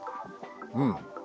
うん。